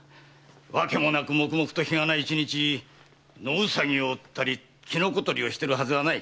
わけもなくもくもくと日がな一日野兎を追ったりキノコ採りをしてるはずはない。